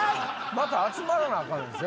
また集まらなアカンですよ